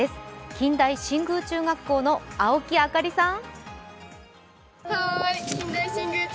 近大新宮中学校の青木明梨さん。